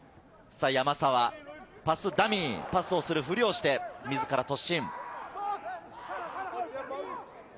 パスダミー、パスするふりをして自ら突進。